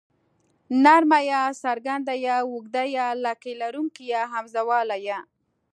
نرمه ی څرګنده ي اوږده ې لکۍ لرونکې ۍ همزه واله ئ